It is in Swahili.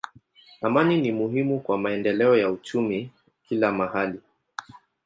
Amani ni muhimu kwa maendeleo ya uchumi kila mahali.